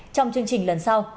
trong chương trình lần sau